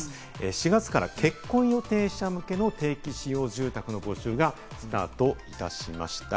４月から結婚予定者向けの定期使用住宅の募集が始まりました。